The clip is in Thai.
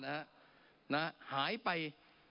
นะฮะหายไป